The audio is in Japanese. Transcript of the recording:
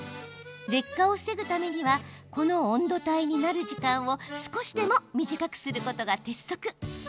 劣化を防ぐためにはこの温度帯になる時間を少しでも短くすることが鉄則。